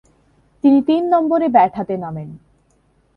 তিনি তিন নম্বরে ব্যাট হাতে নামেন।